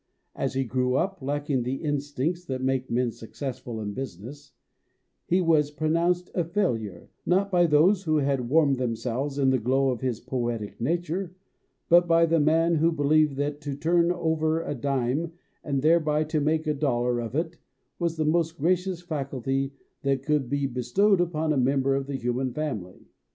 As he grew up, lacking the instincts that make men successful in business, he was pronounced a failure not by those who had warmed them selves in the glow of his poetic nature, but by the man who believed that to turn over a dime and thereby to make a dollar of it, was the most gracious faculty that could be bestowed upon io BIOGRAPHY a member of the human family.